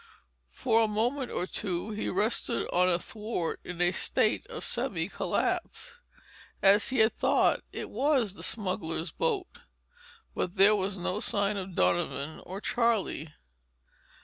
For a moment or two he rested on a thwart in a state of semi collapse. As he had thought, it was the smugglers' boat. But there was no sign of Donovan or Charlie.